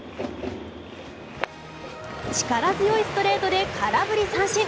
力強いストレートで空振り三振。